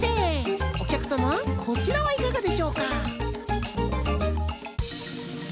おきゃくさまこちらはいかがでしょうか？